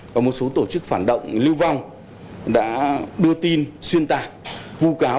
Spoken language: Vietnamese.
và một số tổ chức phản động lưu vong đã đưa tin xuyên tả vụ cáo